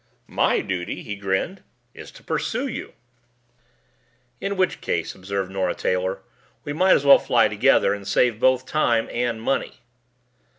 "My duty," he grinned, "is to pursue you." "In which case," observed Nora Taylor, "we might as well fly together and save both time and money."